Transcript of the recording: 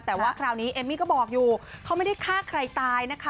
แต่ว่าคราวนี้เอมมี่ก็บอกอยู่เขาไม่ได้ฆ่าใครตายนะคะ